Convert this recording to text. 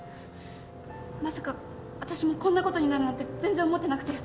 まさかあたしもこんなことになるなんて全然思ってなくて。